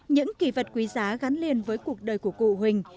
những kỳ vật quý giá gắn liền với cuộc đời của cụ huỳnh